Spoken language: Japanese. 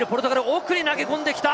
奥に投げ込んできた！